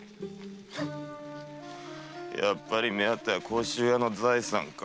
やっぱり目当ては甲州屋の財産か？